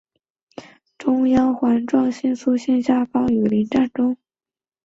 与邻站中井站及中野坂上站一样将月台设于首都高速中央环状新宿线下方。